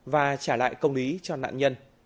và trả lại công lý cho nạn nhân